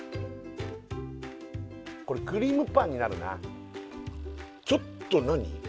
これクリームパンになるなちょっと何？